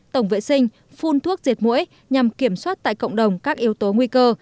tổng vệ sinh phun thuốc diệt mũi nhằm kiểm soát tại cộng đồng các yếu tố nguy cơ